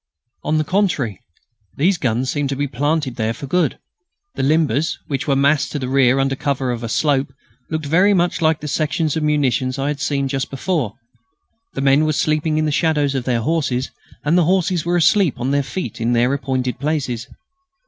On the contrary, these guns seemed to be planted there for good. The limbers, which were massed to the rear under cover of a slope, looked very much like the sections of munitions I had seen just before. The men were sleeping in the shadows of their horses, and the horses were asleep on their feet in their appointed places.